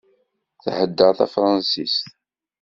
Thedder tafransist.